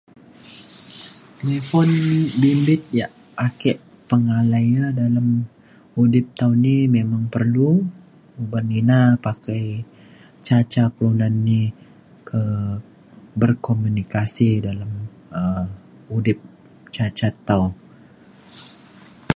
telefon bimbit yak ake pengalai e dalem udip tau ni memang perlu uban ina pakai ca ca kelunan ni ke- berkomunikasi dalem um udip ca ca tau.